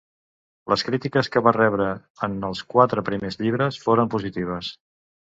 Les crítiques que va rebre en els quatre primers llibres foren positives.